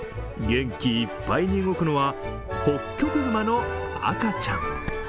元気いっぱいに動くのはホッキョクグマの赤ちゃん。